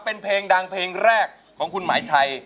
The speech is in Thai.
เป็นเพลงดังเพลงแรกของคุณหมายไทย